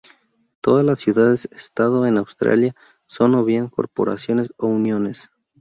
Todas las ciudades-estado en Australia son o bien Corporaciones o Uniones.